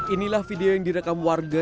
inilah video yang direkam warga